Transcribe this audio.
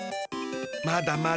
まだまだ。